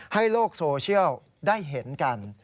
โลกโซเชียลได้เห็นกัน